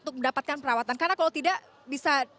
untuk mendapatkan perawatan karena kalau tidak bisa